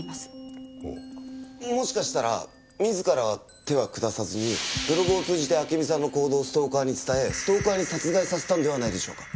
もしかしたら自らは手は下さずにブログを通じて暁美さんの行動をストーカーに伝えストーカーに殺害させたのではないでしょうか？